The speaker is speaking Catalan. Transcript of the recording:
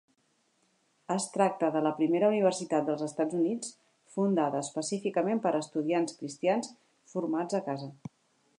Es tracta del primera universitat dels Estats Units fundada específicament per a estudiants cristians formats a casa.